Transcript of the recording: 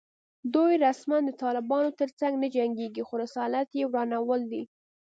دوی رسماً د طالبانو تر څنګ نه جنګېږي خو رسالت یې ورانول دي